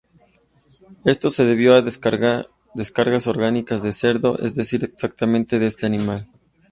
Esto se debió a descargas orgánicas de cerdo, es decir excrementos de este animal.